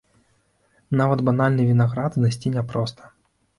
Нават банальны вінаград знайсці няпроста.